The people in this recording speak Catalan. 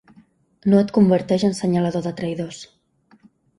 No et converteix en senyalador de traïdors.